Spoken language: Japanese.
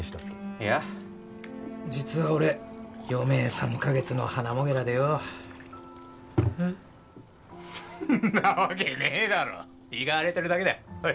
いや実は俺余命３カ月のハナモゲラでよえっなわけねえだろ胃が荒れてるだけだよほい